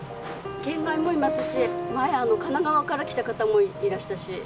県外もいますし前神奈川から来た方もいらしたし。